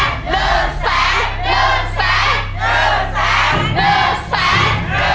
ได้ได้ได้๑แสน